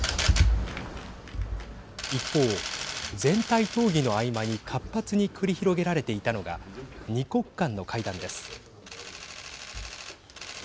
一方、全体討議の合間に活発に繰り広げられていたのが２国間の会談です。